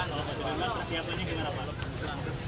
kalau pak sudirman persiapannya gimana pak